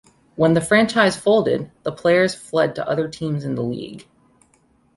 When the franchise folded, the players fled to other teams in the league.